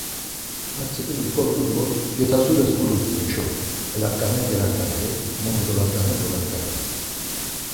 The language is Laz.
Ar tzip̌ili kort̆u do getasules gulut̆u heşo elanǩaneri gelanǩaneri, mundi golanǩaner golanǩaneri.